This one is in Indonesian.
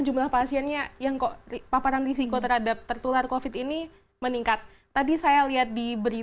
jumlah pasiennya yang kok paparan risiko terhadap tertular kofit ini meningkat tadi saya lihat diberi